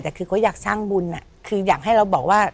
แต่คือเขาอยากสร้างบุญคืออยากให้เราบอกว่า